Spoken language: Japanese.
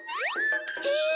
「へえ！」。